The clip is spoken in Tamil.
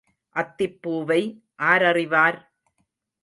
அத்திப் பூவை ஆர் அறிவார்?